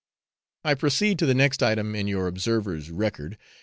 I proceed to the next item in your observer's record.